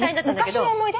昔の思い出？